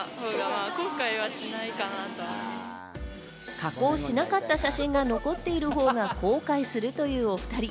加工しなかった写真が残っているほうが後悔するというお２人。